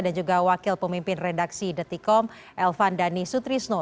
dan juga wakil pemimpin redaksi detikom elvan dhani sutrisno